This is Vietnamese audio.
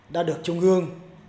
đã được trung ương